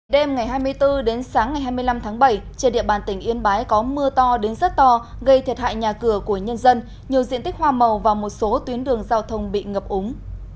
đêm ngày hai mươi bốn đến sáng ngày hai mươi năm tháng bảy trên địa bàn tỉnh yên bái có mưa to đến rất to gây thiệt hại nhà cửa của nhân dân nhiều diện tích hoa màu và một số tuyến đường giao thông bị ngập úng